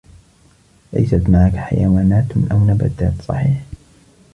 ليست معك حيوانات أو نباتات ، صحيح ؟